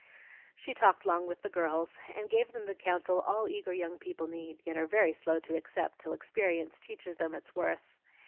She talked long with the girls, and gave them the counsel all eager young people need, yet are very slow to accept till experience teaches them its worth.